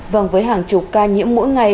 vâng với hàng chục ca nhiễm mỗi ngày